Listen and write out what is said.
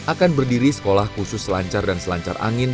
akan berdiri sekolah khusus selancar dan selancar angin